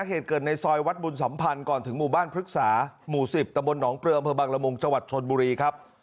เหตุเกิดในซอยวัดบุญสัมพันธ์ก่อนถึงหมู่บ้านพฤกษาหมู่๑๐ตำบลหนองเปลืออำเภอบังละมุงจังหวัดชนบุรีครับ